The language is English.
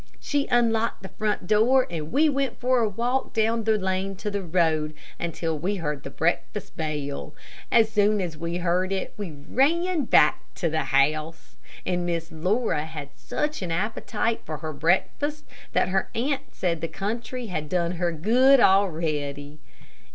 She unlocked the front door, and we went for a walk down the lane to the road until we heard the breakfast bell. As soon as we heard it we ran back to the house, and Miss Laura had such an appetite for her breakfast that her aunt said the country had done her good already.